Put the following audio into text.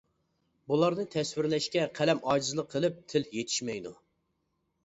بۇلارنى تەسۋىرلەشكە قەلەم ئاجىزلىق قىلىپ، تىل يېتىشمەيدۇ.